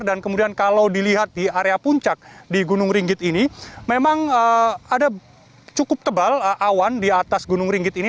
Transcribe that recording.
dan kemudian kalau dilihat di area puncak di gunung ringgit ini memang ada cukup tebal awan di atas gunung ringgit ini